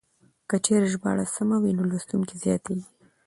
که چېرې ژباړه سمه وي نو لوستونکي زياتېږي.